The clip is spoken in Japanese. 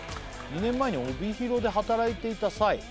「２年前に帯広で働いていた際」